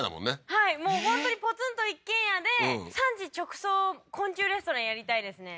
はいもう本当にポツンと一軒家で産地直送昆虫レストランやりたいですね